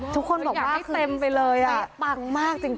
ทุกคนบอกว่าอยากได้เต็มไปเลยอ่ะไม่ปังมากจริง